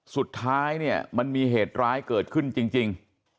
สุดท้ายเนี่ยมันมีเหตุร้ายเกิดขึ้นจริง